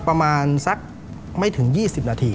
ประมาณสักไม่ถึง๒๐นาที